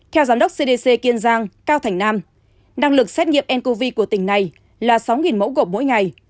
theo giám đốc cdc kiên giang cao thành nam năng lực xét nghiệm ncov của tỉnh này là sáu mẫu gộp mỗi ngày